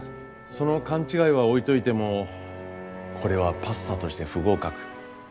その勘違いは置いといてもこれはパスタとして不合格。